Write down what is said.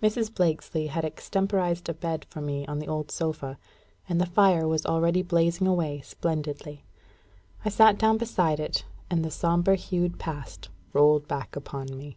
Mrs. Blakesley had extemporised a bed for me on the old sofa; and the fire was already blazing away splendidly. I sat down beside it, and the sombre hued Past rolled back upon me.